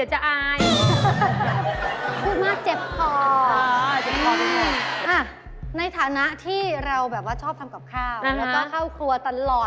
จริงสิเออรู้ป่ะเออ